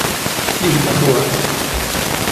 D gma-k wa?